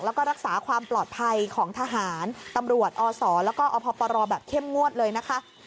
แล้วก็รักษาความปลอดภัยของทหารตำรวจอศแล้วก็อพปรแบบเข้มงวดเลยนะคะ